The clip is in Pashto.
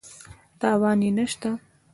تاوان یې نه شته.